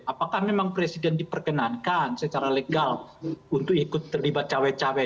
apakah memang presiden diperkenankan secara legal untuk ikut terlibat cawe cawe